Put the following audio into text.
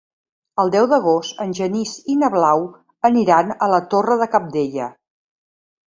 El deu d'agost en Genís i na Blau aniran a la Torre de Cabdella.